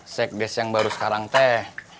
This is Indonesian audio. sekdes yang baru sekarang teh